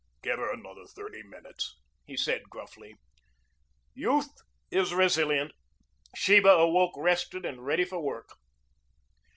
"Give her another thirty minutes," he said gruffly. Youth is resilient. Sheba awoke rested and ready for work.